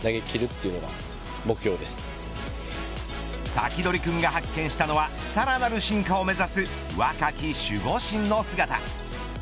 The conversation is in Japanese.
サキドリ君が発見したのはさらなる進化を目指す若き守護神の姿。